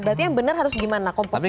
berarti yang benar harus gimana komposisi